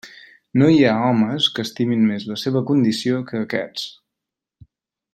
No hi ha homes que estimin més la seva condició que aquests.